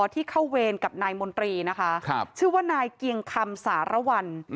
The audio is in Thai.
ที่เข้าเวรกับนายมนตรีนะคะชื่อว่านายเกียงคำสารวัล